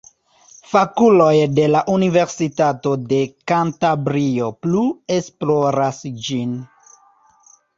Fakuloj de la Universitato de Kantabrio plu esploras ĝin.